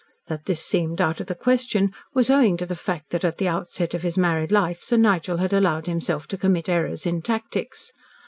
That this seemed out of the question was owing to the fact that at the outset of his married life Sir Nigel had allowed himself to commit errors in tactics.